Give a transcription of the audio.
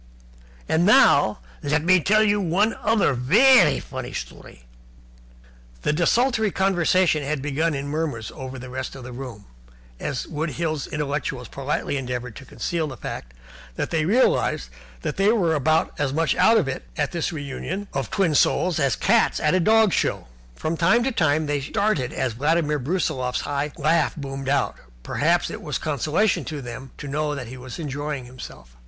And now let me tell you one other vairy funny story " Desultory conversation had begun in murmurs over the rest of the room, as the Wood Hills intellectuals politely endeavoured to conceal the fact that they realized that they were about as much out of it at this re union of twin souls as cats at a dog show. From time to time they started as Vladimir Brusiloff's laugh boomed out. Perhaps it was a consolation to them to know that he was enjoying himself.